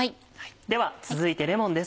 では続いてレモンです。